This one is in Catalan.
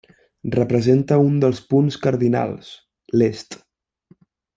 Representa un dels punts cardinals, l'est.